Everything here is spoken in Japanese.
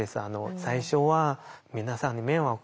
最初は皆さんに迷惑かける。